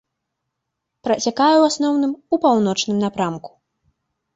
Працякае ў асноўным у паўночным напрамку.